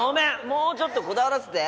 もうちょっとこだわらせて。